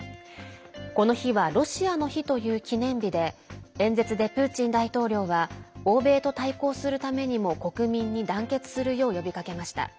この日はロシアの日という記念日で演説でプーチン大統領は欧米と対抗するためにも国民に団結するよう呼びかけました。